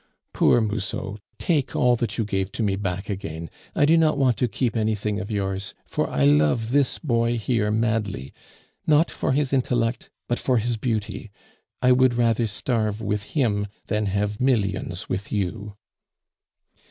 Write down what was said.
"Poor Musot, take all that you gave to me back again; I do not want to keep anything of yours; for I love this boy here madly, not for his intellect, but for his beauty. I would rather starve with him than have millions with you."